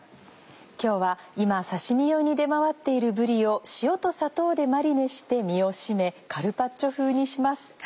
今日は今刺身用に出回っているぶりを塩と砂糖でマリネして身を締めカルパッチョ風にします。